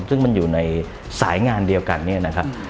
ซึ่งมันอยู่ในสายงานเดียวกันเนี่ยนะครับ